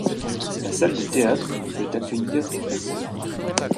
La salle de théâtre pouvait accueillir personnes.